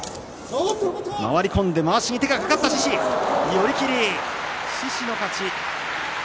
寄り切り、獅司の勝ち。